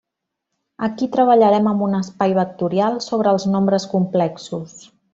Aquí treballarem amb un espai vectorial sobre els nombres complexos.